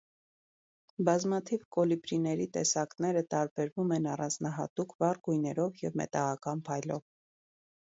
Բազմաթիվ կոլիբրիների տեսակները տարբերվում են առանձնահատուկ վառ գույներով և մետաղական փայլով։